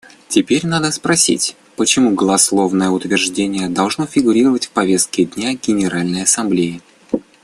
Теперь надо спросить, почему голословное утверждение должно фигурировать в повестке дня Генеральной Ассамблеи.